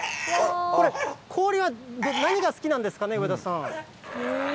これ、氷は何が好きなんですかね、上田さん。